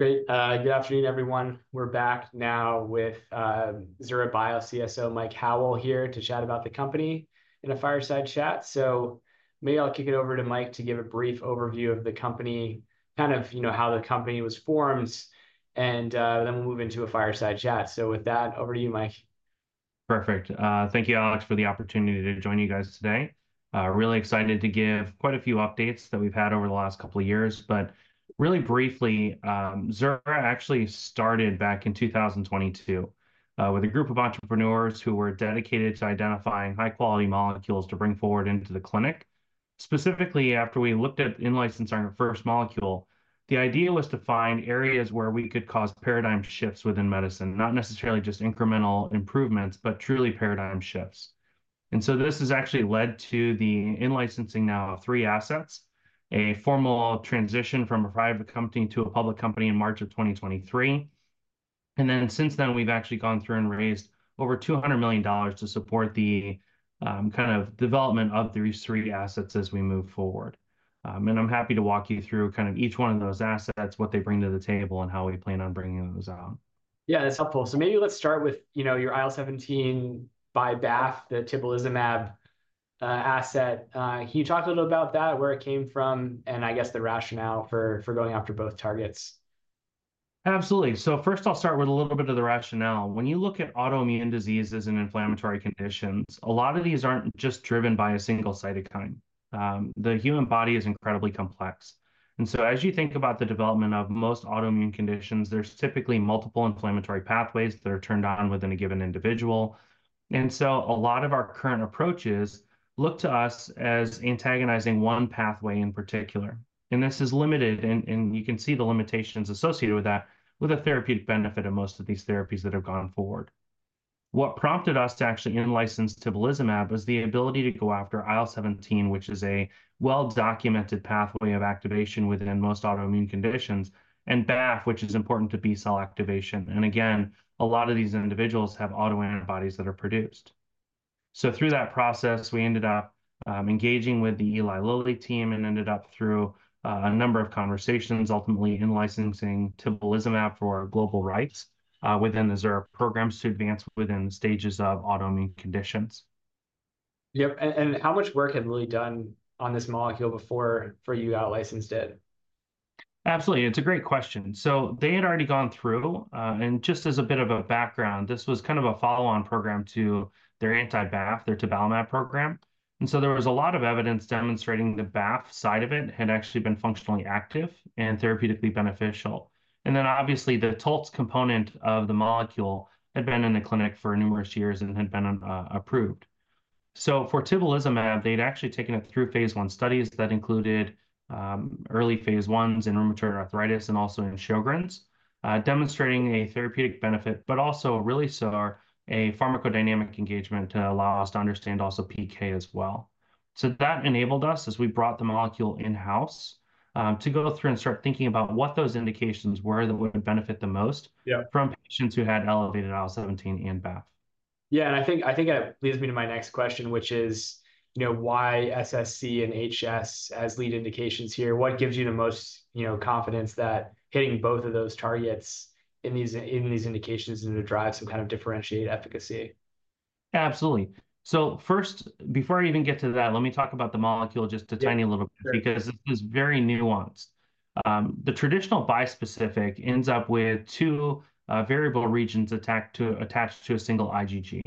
Great. Good afternoon, everyone. We're back now with Zura Bio CSO, Mike Howell, here to chat about the company in a fireside chat. So maybe I'll kick it over to Mike to give a brief overview of the company, kind of, you know, how the company was formed, and then we'll move into a fireside chat. So with that, over to you, Mike. Perfect. Thank you, Alex, for the opportunity to join you guys today. Really excited to give quite a few updates that we've had over the last couple of years. But really briefly, Zura actually started back in 2022, with a group of entrepreneurs who were dedicated to identifying high-quality molecules to bring forward into the clinic. Specifically, after we looked at in-licensing our first molecule, the idea was to find areas where we could cause paradigm shifts within medicine, not necessarily just incremental improvements, but truly paradigm shifts. And so this has actually led to the in-licensing now of three assets, a formal transition from a private company to a public company in March of 2023, and then since then, we've actually gone through and raised over $200 million to support the kind of development of these three assets as we move forward. And I'm happy to walk you through kind of each one of those assets, what they bring to the table, and how we plan on bringing those out. Yeah, that's helpful. So maybe let's start with, you know, your IL-17 by BAFF, the tibulizumab asset. Can you talk a little about that, where it came from, and I guess the rationale for going after both targets? Absolutely. So first, I'll start with a little bit of the rationale. When you look at autoimmune diseases and inflammatory conditions, a lot of these aren't just driven by a single cytokine. The human body is incredibly complex, and so as you think about the development of most autoimmune conditions, there's typically multiple inflammatory pathways that are turned on within a given individual. And so a lot of our current approaches look to us as antagonizing one pathway in particular, and this is limited, and you can see the limitations associated with that, with the therapeutic benefit of most of these therapies that have gone forward. What prompted us to actually in-license tibulizumab was the ability to go after IL-17, which is a well-documented pathway of activation within most autoimmune conditions, and BAFF, which is important to B-cell activation. Again, a lot of these individuals have autoantibodies that are produced. Through that process, we ended up engaging with the Eli Lilly team and, through a number of conversations, ultimately in-licensing tibulizumab for our global rights within the Zura programs to advance within stages of autoimmune conditions. Yep, and how much work had Lilly done on this molecule before you out-licensed it? Absolutely. It's a great question. So they had already gone through, and just as a bit of a background, this was kind of a follow-on program to their anti-BAFF, their tabalumab program. And so there was a lot of evidence demonstrating the BAFF side of it had actually been functionally active and therapeutically beneficial. And then, obviously, the Taltz component of the molecule had been in the clinic for numerous years and had been approved. So for tibulizumab, they'd actually taken it through phase I studies that included early phase Is in rheumatoid arthritis and also in Sjögren's, demonstrating a therapeutic benefit, but also a really a pharmacodynamic engagement to allow us to understand also PK as well. So that enabled us, as we brought the molecule in-house, to go through and start thinking about what those indications were that would benefit the most- Yeah... from patients who had elevated IL-17 and BAFF. Yeah, and I think that leads me to my next question, which is, you know, why SSc and HS as lead indications here? What gives you the most, you know, confidence that hitting both of those targets in these indications is going to drive some kind of differentiated efficacy? Absolutely. So first, before I even get to that, let me talk about the molecule just a tiny little bit- Sure... because it is very nuanced. The traditional bispecific ends up with two variable regions attached to a single IgG.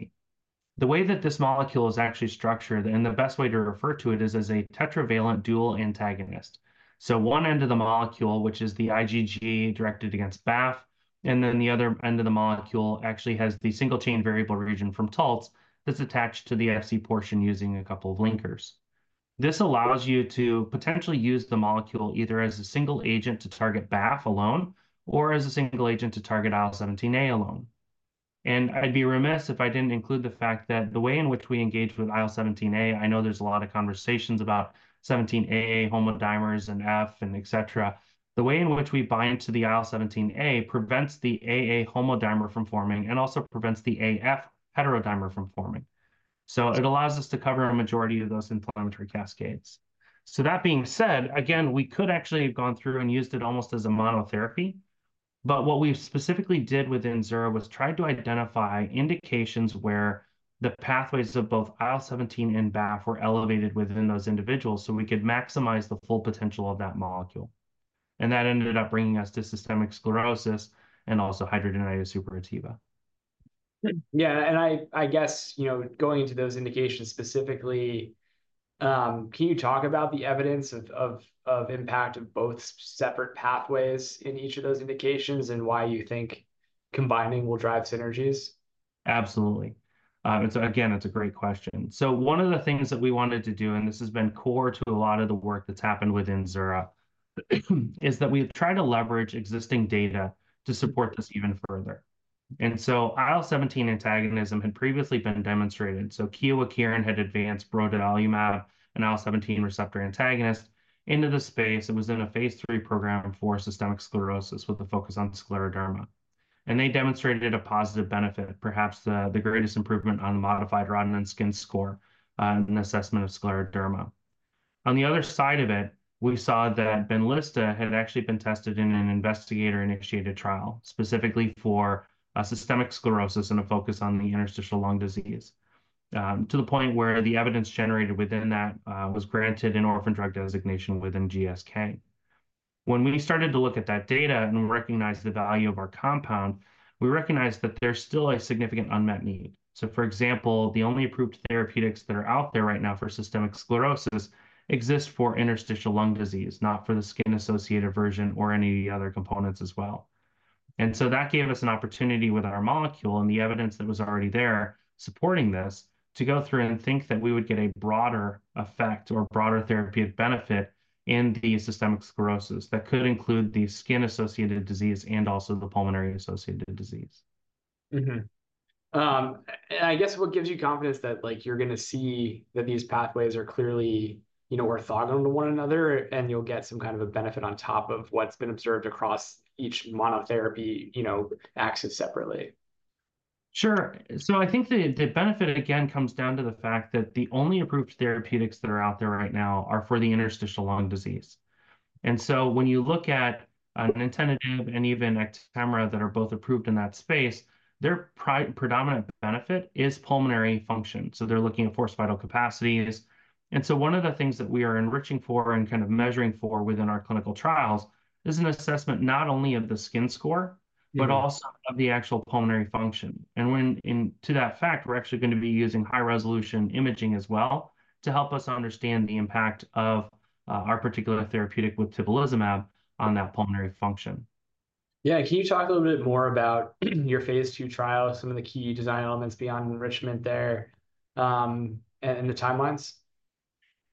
The way that this molecule is actually structured, and the best way to refer to it, is as a tetravalent dual antagonist, so one end of the molecule, which is the IgG directed against BAFF, and then the other end of the molecule actually has the single-chain variable region from Taltz that's attached to the Fc portion using a couple of linkers. This allows you to potentially use the molecule either as a single agent to target BAFF alone, or as a single agent to target IL-17A alone, and I'd be remiss if I didn't include the fact that the way in which we engage with IL-17A. I know there's a lot of conversations about 17A homodimers, and F, and et cetera. The way in which we bind to the IL-17A prevents the AA homodimer from forming and also prevents the AF heterodimer from forming. Mm-hmm. So it allows us to cover a majority of those inflammatory cascades. So that being said, again, we could actually have gone through and used it almost as a monotherapy, but what we specifically did within Zura was try to identify indications where the pathways of both IL-17 and BAFF were elevated within those individuals, so we could maximize the full potential of that molecule. And that ended up bringing us to systemic sclerosis and also hidradenitis suppurativa. Yeah, and I guess, you know, going into those indications specifically, can you talk about the evidence of impact of both separate pathways in each of those indications, and why you think combining will drive synergies? Absolutely. And so again, it's a great question. So one of the things that we wanted to do, and this has been core to a lot of the work that's happened within Zura, is that we've tried to leverage existing data to support this even further. And so IL-17 antagonism had previously been demonstrated, so Kyowa Kirin had advanced brodalumab, an IL-17 receptor antagonist, into the space. It was in a phase III program for systemic sclerosis, with a focus on scleroderma. And they demonstrated a positive benefit, perhaps the greatest improvement on the modified Rodnan skin score, an assessment of scleroderma. On the other side of it, we saw that Benlysta had actually been tested in an investigator-initiated trial, specifically for a systemic sclerosis and a focus on the interstitial lung disease, to the point where the evidence generated within that was granted an orphan drug designation within GSK. When we started to look at that data and we recognized the value of our compound, we recognized that there's still a significant unmet need. So, for example, the only approved therapeutics that are out there right now for systemic sclerosis exist for interstitial lung disease, not for the skin-associated version or any other components as well. And so that gave us an opportunity with our molecule and the evidence that was already there supporting this, to go through and think that we would get a broader effect or broader therapeutic benefit in the systemic sclerosis. That could include the skin-associated disease and also the pulmonary-associated disease. I guess what gives you confidence that, like, you're gonna see that these pathways are clearly, you know, orthogonal to one another, and you'll get some kind of a benefit on top of what's been observed across each monotherapy, you know, acted separately? Sure. So I think the benefit, again, comes down to the fact that the only approved therapeutics that are out there right now are for the interstitial lung disease. And so when you look at nintedanib and even Actemra, that are both approved in that space, their predominant benefit is pulmonary function, so they're looking at forced vital capacities. And so one of the things that we are enriching for and kind of measuring for within our clinical trials is an assessment not only of the skin score- Mm-hmm... but also of the actual pulmonary function. And to that fact, we're actually gonna be using high-resolution imaging as well, to help us understand the impact of our particular therapeutic with tibulizumab on that pulmonary function. Yeah. Can you talk a little bit more about your phase II trial, some of the key design elements beyond enrichment there, and the timelines?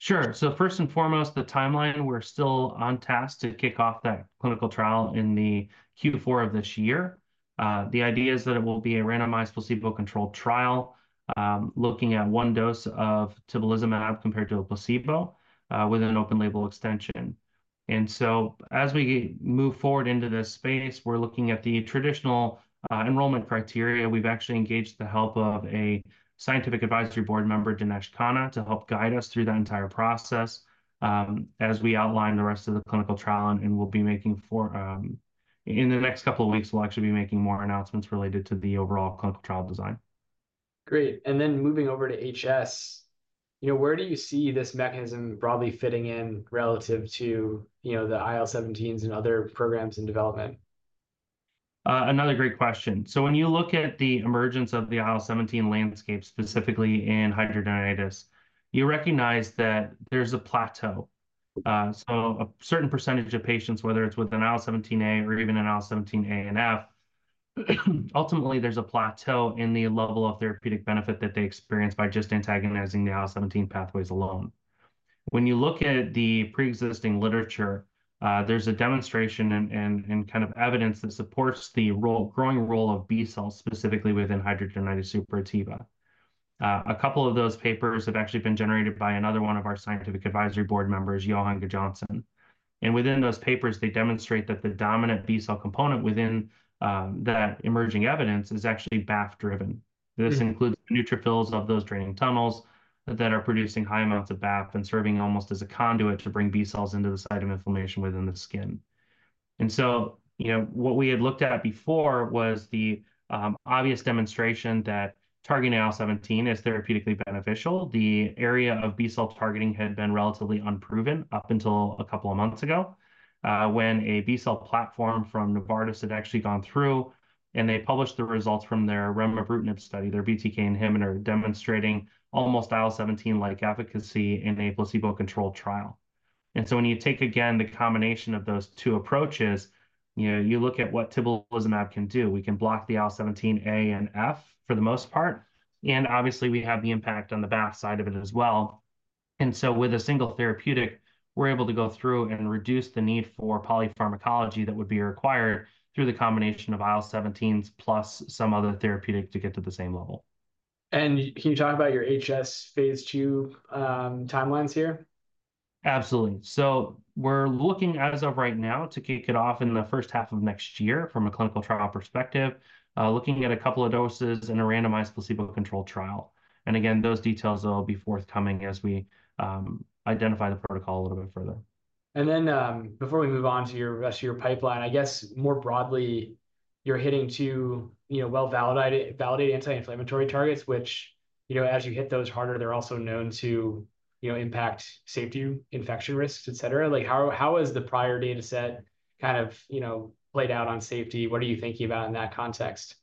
Sure. So first and foremost, the timeline, we're still on task to kick off that clinical trial in the Q4 of this year. The idea is that it will be a randomized, placebo-controlled trial, looking at one dose of tibulizumab compared to a placebo, with an open label extension. And so as we move forward into this space, we're looking at the traditional enrollment criteria. We've actually engaged the help of a scientific advisory board member, Dinesh Khanna, to help guide us through that entire process, as we outline the rest of the clinical trial, and in the next couple of weeks, we'll actually be making more announcements related to the overall clinical trial design. Great. And then moving over to HS, you know, where do you see this mechanism broadly fitting in relative to, you know, the IL-17s and other programs in development? Another great question. So when you look at the emergence of the IL-17 landscape, specifically in hidradenitis, you recognize that there's a plateau. So a certain percentage of patients, whether it's with an IL-17A or even an IL-17A and F, ultimately, there's a plateau in the level of therapeutic benefit that they experience by just antagonizing the IL-17 pathways alone. When you look at the pre-existing literature, there's a demonstration and kind of evidence that supports the growing role of B cells, specifically within hidradenitis suppurativa. A couple of those papers have actually been generated by another one of our scientific advisory board members, Johann Gudjonsson. And within those papers, they demonstrate that the dominant B cell component within that emerging evidence is actually BAFF-driven. Mm. This includes neutrophils of those draining tunnels that are producing high amounts of BAFF and serving almost as a conduit to bring B cells into the site of inflammation within the skin. And so, you know, what we had looked at before was the obvious demonstration that targeting IL-17 is therapeutically beneficial. The area of B-cell targeting had been relatively unproven up until a couple of months ago, when a B-cell platform from Novartis had actually gone through, and they published the results from their remibrutinib study, their BTK inhibitor, demonstrating almost IL-17-like efficacy in a placebo-controlled trial. And so when you take again the combination of those two approaches, you know, you look at what tibulizumab can do. We can block the IL-17A and IL-17F for the most part, and obviously, we have the impact on the BAFF side of it as well. And so with a single therapeutic, we're able to go through and reduce the need for polypharmacology that would be required through the combination of IL-17s, plus some other therapeutic to get to the same level. Can you talk about your HS phase II timelines here? Absolutely. So we're looking, as of right now, to kick it off in the first half of next year from a clinical trial perspective, looking at a couple of doses in a randomized, placebo-controlled trial. And again, those details will be forthcoming as we identify the protocol a little bit further. And then, before we move on to your rest of your pipeline, I guess more broadly, you're hitting to, you know, well-validated anti-inflammatory targets, which, you know, as you hit those harder, they're also known to, you know, impact safety, infection risks, et cetera. Like, how has the prior data set kind of, you know, played out on safety? What are you thinking about in that context?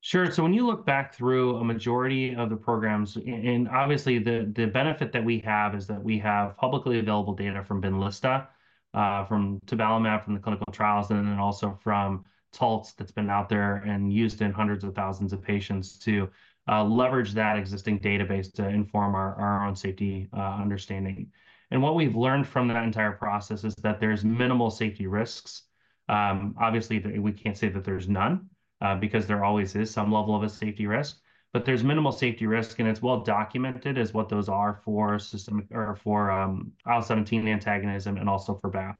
Sure. So when you look back through a majority of the programs, and obviously, the benefit that we have is that we have publicly available data from Benlysta, from tabalumab, from the clinical trials, and then also from Taltz, that's been out there and used in hundreds of thousands of patients to leverage that existing database to inform our own safety understanding. And what we've learned from that entire process is that there's minimal safety risks. Obviously, we can't say that there's none, because there always is some level of a safety risk, but there's minimal safety risk, and it's well documented as what those are for systemic or for IL-17 antagonism and also for BAFF.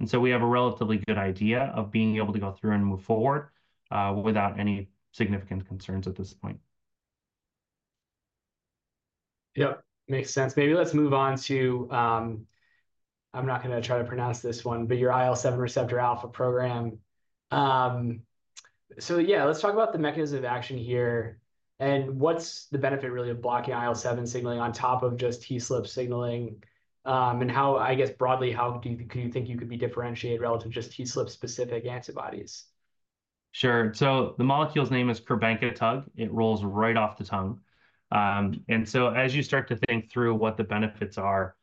And so we have a relatively good idea of being able to go through and move forward without any significant concerns at this point.... Yep, makes sense. Maybe let's move on to, I'm not gonna try to pronounce this one, but your IL-7 receptor alpha program. So yeah, let's talk about the mechanism of action here, and what's the benefit really of blocking IL-7 signaling on top of just TSLP signaling? And how, I guess, broadly, how do you, do you think you could be differentiated relative to just TSLP-specific antibodies? Sure. So the molecule's name is lonzopnekhutug. It rolls right off the tongue. And so as you start to think through what the benefits are,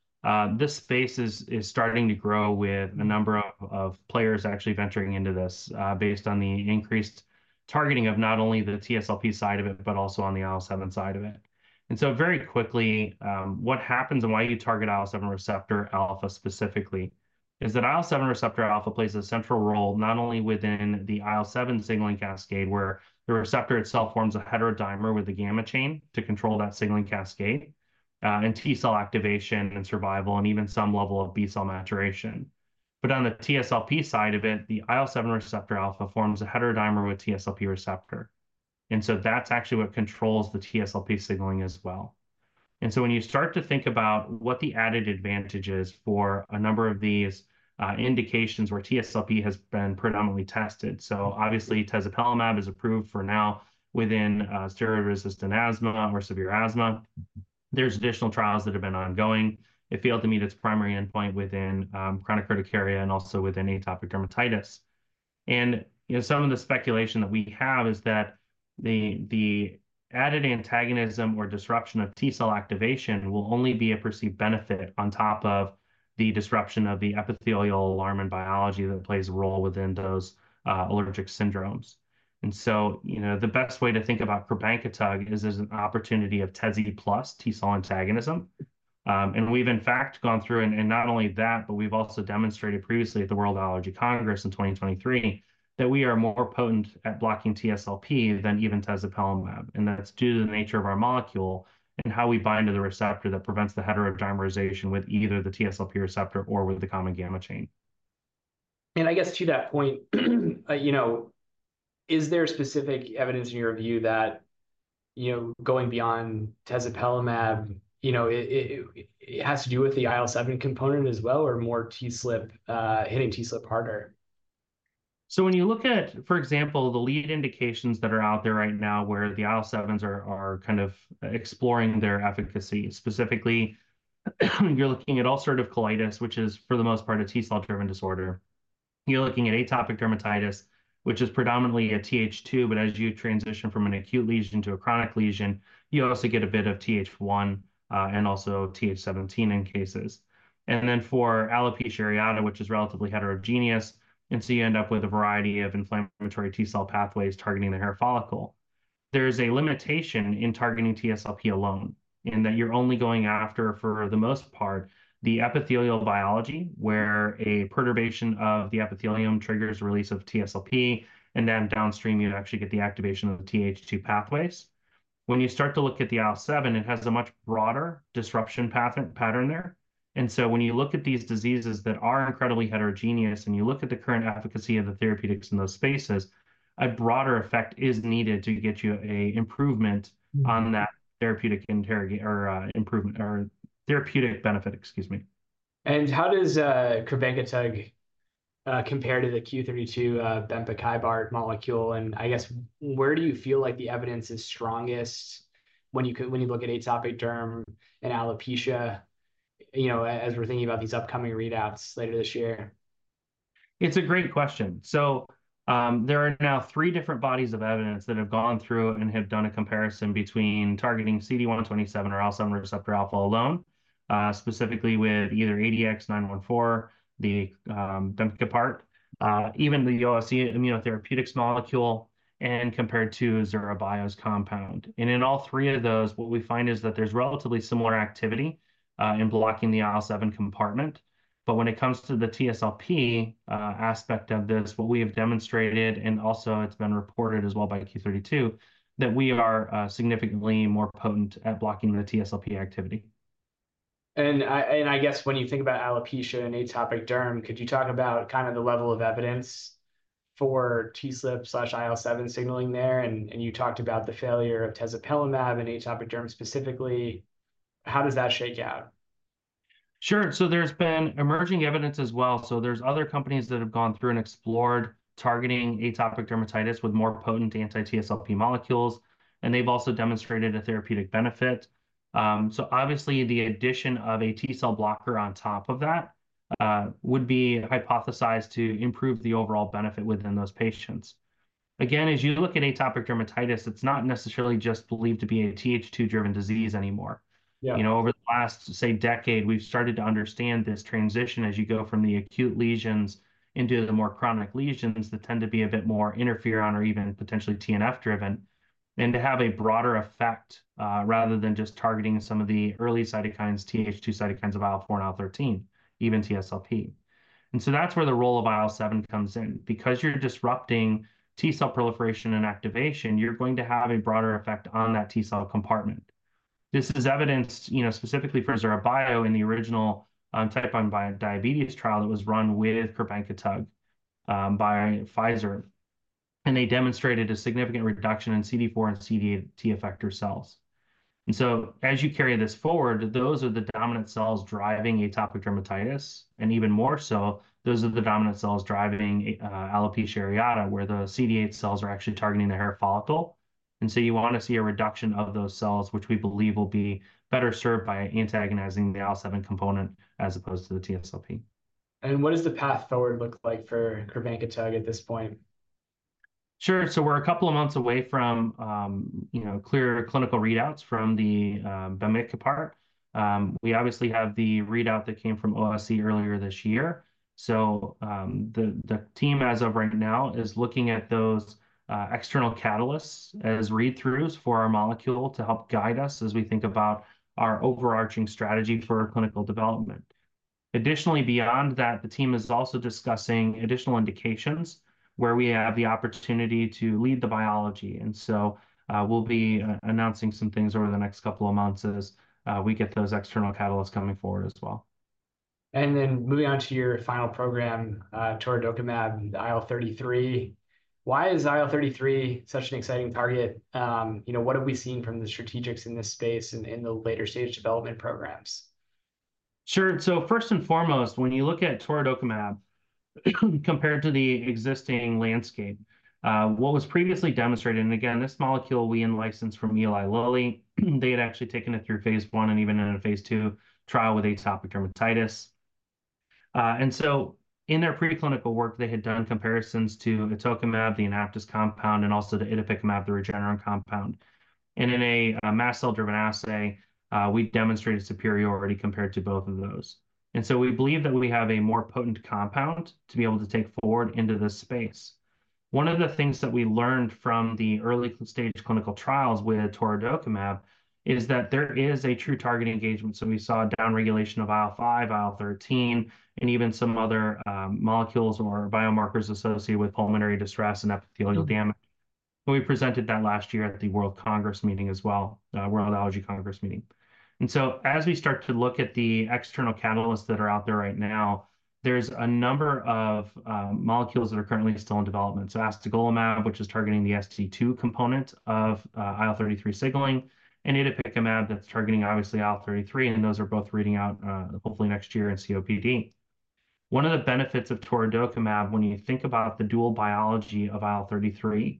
this space is starting to grow with a number of players actually venturing into this, based on the increased targeting of not only the TSLP side of it, but also on the IL-7 side of it. And so very quickly, what happens and why you target IL-7 receptor alpha specifically is that IL-7 receptor alpha plays a central role, not only within the IL-7 signaling cascade, where the receptor itself forms a heterodimer with a gamma chain to control that signaling cascade, and T-cell activation and survival, and even some level of B-cell maturation. On the TSLP side of it, the IL-7 receptor alpha forms a heterodimer with TSLP receptor, and so that's actually what controls the TSLP signaling as well. So when you start to think about what the added advantage is for a number of these indications where TSLP has been predominantly tested, so obviously tezepelumab is approved for now within steroid-resistant asthma or severe asthma. There's additional trials that have been ongoing. It failed to meet its primary endpoint within chronic urticaria and also with atopic dermatitis. You know, some of the speculation that we have is that the added antagonism or disruption of T-cell activation will only be a perceived benefit on top of the disruption of the epithelial alarm and biology that plays a role within those allergic syndromes. And so, you know, the best way to think about lonzopnekhutug is as an opportunity of Tezspire plus T cell antagonism. And we've in fact gone through and not only that, but we've also demonstrated previously at the World Allergy Congress in 2023, that we are more potent at blocking TSLP than even tezepelumab, and that's due to the nature of our molecule and how we bind to the receptor that prevents the heterodimerization with either the TSLP receptor or with the common gamma chain. I guess to that point, you know, is there specific evidence in your view that, you know, going beyond tezepelumab, you know, it has to do with the IL-7 component as well, or more TSLP, hitting TSLP harder? So when you look at, for example, the lead indications that are out there right now, where the IL-7s are kind of exploring their efficacy, specifically, you're looking at ulcerative colitis, which is for the most part, a T-cell driven disorder. You're looking at atopic dermatitis, which is predominantly a Th2, but as you transition from an acute lesion to a chronic lesion, you also get a bit of Th1 and also Th17 in cases. And then for alopecia areata, which is relatively heterogeneous, and so you end up with a variety of inflammatory T-cell pathways targeting the hair follicle. There is a limitation in targeting TSLP alone, in that you're only going after, for the most part, the epithelial biology, where a perturbation of the epithelium triggers release of TSLP, and then downstream, you actually get the activation of the Th2 pathways. When you start to look at the IL-7, it has a much broader disruption pattern there. And so when you look at these diseases that are incredibly heterogeneous, and you look at the current efficacy of the therapeutics in those spaces, a broader effect is needed to get you an improvement on that therapeutic index, or, improvement, or therapeutic benefit, excuse me. And how does lonzopnekhutug compare to the Q32 bepemokibart molecule? And I guess, where do you feel like the evidence is strongest when you look at atopic derm and alopecia, you know, as we're thinking about these upcoming readouts later this year? It's a great question. So, there are now three different bodies of evidence that have gone through and have done a comparison between targeting CD127 or IL-7 receptor alpha alone, specifically with either ADX914, the, Bepemokibart, even the OSE Immunotherapeutics molecule, and compared to Zura Bio's compound. And in all three of those, what we find is that there's relatively similar activity, in blocking the IL-7 compartment. But when it comes to the TSLP, aspect of this, what we have demonstrated, and also it's been reported as well by Q32, that we are, significantly more potent at blocking the TSLP activity. I guess when you think about alopecia and atopic derm, could you talk about kind of the level of evidence for TSLP slash IL-7 signaling there? And you talked about the failure of tezepelumab in atopic derm specifically. How does that shake out? Sure. So there's been emerging evidence as well. So there's other companies that have gone through and explored targeting atopic dermatitis with more potent anti-TSLP molecules, and they've also demonstrated a therapeutic benefit. So obviously, the addition of a T-cell blocker on top of that would be hypothesized to improve the overall benefit within those patients. Again, as you look at atopic dermatitis, it's not necessarily just believed to be a Th2-driven disease anymore. Yeah. You know, over the last, say, decade, we've started to understand this transition as you go from the acute lesions into the more chronic lesions that tend to be a bit more interferon or even potentially TNF driven, and to have a broader effect, rather than just targeting some of the early cytokines, Th2 cytokines of IL-4 and IL-13, even TSLP. So that's where the role of IL-7 comes in. Because you're disrupting T-cell proliferation and activation, you're going to have a broader effect on that T-cell compartment.... This is evidenced, you know, specifically for Zura Bio in the original type 1 diabetes trial that was run with lonzopnekhutug by Pfizer. They demonstrated a significant reduction in CD4 and CD8 T effector cells. And so as you carry this forward, those are the dominant cells driving atopic dermatitis, and even more so, those are the dominant cells driving alopecia areata, where the CD8 cells are actually targeting the hair follicle. And so you wanna see a reduction of those cells, which we believe will be better served by antagonizing the IL-7 component, as opposed to the TSLP. What does the path forward look like for lonzopnekhutug at this point? Sure. So we're a couple of months away from, you know, clear clinical readouts from the bepemokibart. We obviously have the readout that came from OSE earlier this year. So, the team, as of right now, is looking at those external catalysts as read-throughs for our molecule to help guide us as we think about our overarching strategy for clinical development. Additionally, beyond that, the team is also discussing additional indications, where we have the opportunity to lead the biology. And so, we'll be announcing some things over the next couple of months as we get those external catalysts coming forward as well. And then moving on to your final program, torudokimab, IL-33. Why is IL-33 such an exciting target? You know, what have we seen from the strategics in this space and in the later-stage development programs? Sure. First and foremost, when you look at torudokimab, compared to the existing landscape, what was previously demonstrated. And again, this molecule we in-licensed from Eli Lilly. They had actually taken it through phase one and even in a phase two trial with atopic dermatitis. And so in their preclinical work, they had done comparisons to the etokimab, the AnaptysBio compound, and also the itepekimab, the Regeneron compound. And in a mast cell-driven assay, we've demonstrated superiority compared to both of those. And so we believe that we have a more potent compound to be able to take forward into this space. One of the things that we learned from the early-stage clinical trials with torudokimab is that there is a true targeting engagement. We saw a downregulation of IL-5, IL-13, and even some other molecules or biomarkers associated with pulmonary distress and epithelial damage. We presented that last year at the World Congress meeting as well, World Allergy Congress meeting. As we start to look at the external catalysts that are out there right now, there's a number of molecules that are currently still in development. Astegolimab, which is targeting the ST2 component of IL-33 signaling, and Itepekimab, that's targeting obviously IL-33, and those are both reading out, hopefully next year in COPD. One of the benefits of torudokimab, when you think about the dual biology of IL-33,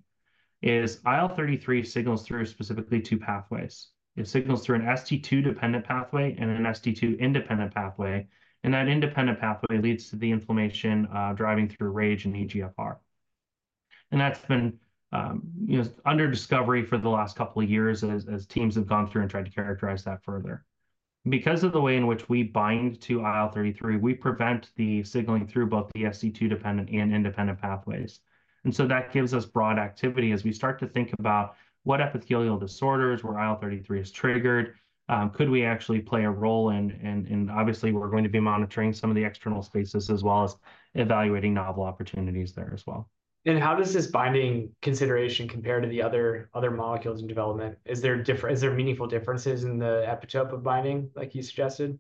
is IL-33 signals through specifically two pathways. It signals through an ST2-dependent pathway and an ST2-independent pathway, and that independent pathway leads to the inflammation driving through RAGE and EGFR. That's been, you know, under discovery for the last couple of years as teams have gone through and tried to characterize that further. Because of the way in which we bind to IL-33, we prevent the signaling through both the ST2 dependent and independent pathways. So that gives us broad activity as we start to think about what epithelial disorders, where IL-33 is triggered, could we actually play a role in? Obviously, we're going to be monitoring some of the external spaces, as well as evaluating novel opportunities there as well. How does this binding consideration compare to the other molecules in development? Is there meaningful differences in the epitope of binding, like you suggested?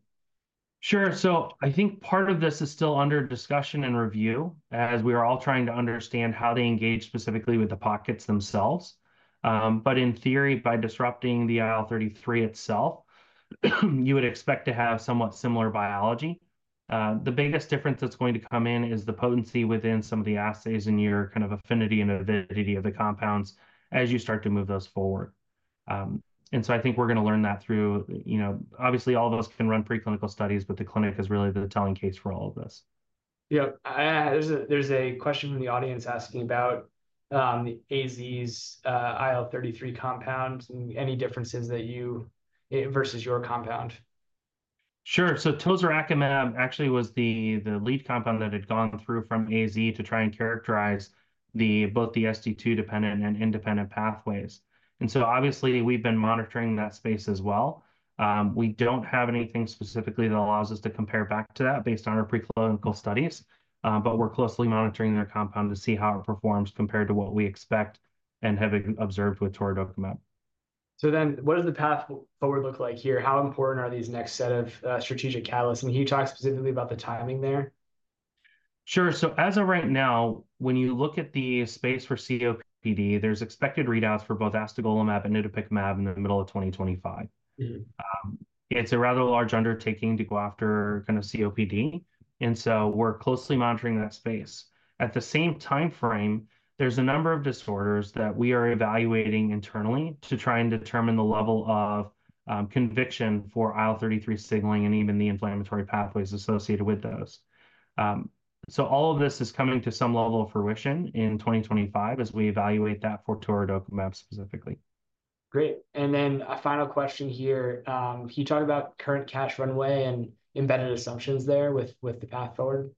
Sure. So I think part of this is still under discussion and review, as we are all trying to understand how they engage specifically with the pockets themselves. But in theory, by disrupting the IL-33 itself, you would expect to have somewhat similar biology. The biggest difference that's going to come in is the potency within some of the assays and your kind of affinity and avidity of the compounds as you start to move those forward. And so I think we're gonna learn that through... You know, obviously, all of us can run preclinical studies, but the clinic is really the telling case for all of this. Yeah. There's a question from the audience asking about AZ's IL-33 compound, and any differences that you versus your compound. Sure. So Tozorakimab actually was the lead compound that had gone through from AZ to try and characterize both the ST2 dependent and independent pathways. And so obviously, we've been monitoring that space as well. We don't have anything specifically that allows us to compare back to that based on our preclinical studies, but we're closely monitoring their compound to see how it performs compared to what we expect and have observed with Torudokimab. So then, what does the path forward look like here? How important are these next set of strategic catalysts? Can you talk specifically about the timing there? Sure. So as of right now, when you look at the space for COPD, there's expected readouts for both Astegolimab and Itepekimab in the middle of 2025. Mm-hmm. It's a rather large undertaking to go after kind of COPD, and so we're closely monitoring that space. At the same timeframe, there's a number of disorders that we are evaluating internally to try and determine the level of conviction for IL-33 signaling and even the inflammatory pathways associated with those. So all of this is coming to some level of fruition in 2025 as we evaluate that for torudokimab specifically. Great. And then a final question here. Can you talk about current cash runway and embedded assumptions there with the path forward?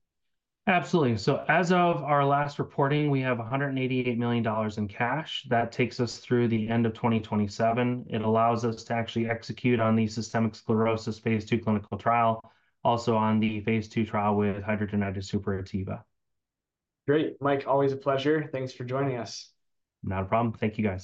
Absolutely. So as of our last reporting, we have $188 million in cash. That takes us through the end of 2027. It allows us to actually execute on the systemic sclerosis phase II clinical trial, also on the phase II trial with hidradenitis suppurativa. Great. Mike, always a pleasure. Thanks for joining us. Not a problem. Thank you, guys.